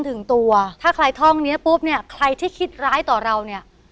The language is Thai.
ถึงตัวถ้าใครท่องเนี้ยปุ๊บเนี่ยใครที่คิดร้ายต่อเราเนี่ย